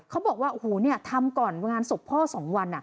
เขาบอกว่าทำก่อนวังงานศพพ่อ๒วัน